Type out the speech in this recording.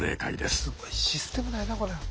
すごいシステムだよなこれ。